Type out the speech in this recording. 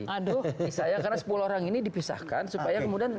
aduh saya karena sepuluh orang ini dipisahkan supaya kemudian